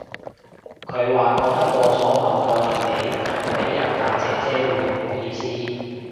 佢話覺得過咗某個年紀仲俾人嗌姐姐會唔好意思